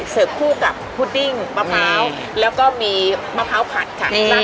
คู่กับพุดดิ้งมะพร้าวแล้วก็มีมะพร้าวผัดค่ะ